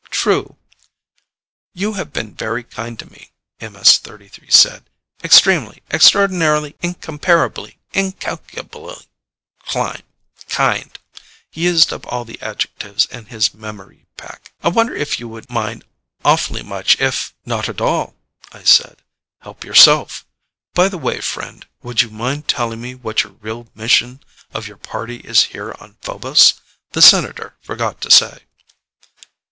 "True." "You have been very kind to me," MS 33 said. "Extremely, extraordinarily, incomparably, incalculably kind." He used up all the adjectives in his memory pack. "I wonder if you would mind awfully much if " "Not at all," I said. "Help yourself. By the way, friend, would you mind telling me what your real mission of your party is here on Phobos. The Senator forgot to say."